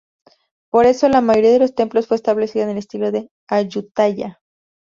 Por eso, la mayoría de los templos fue establecida en el estilo de Ayutthaya.